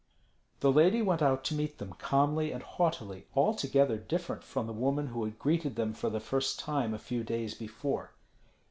The lady went out to meet them calmly and haughtily, altogether different from the woman who had greeted them for the first time a few days before.